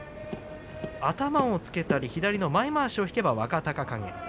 頭をつけたり、左の前まわしを引けば若隆景。